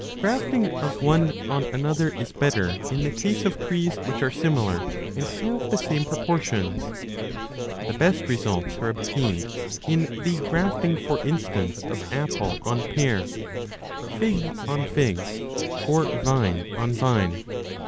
35 Grafting of one on another is better in the case of trees which are similar and have the same proportions ; the best results are obtained in the grafting, for instance, of apple on pear, fig on fig, or vine on vine.